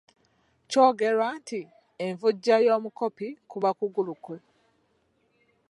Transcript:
Kyogerwa nti envujja y’omukopi kuba kugulu kwe.